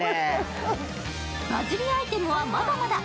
バズりアイテムはまだまだ。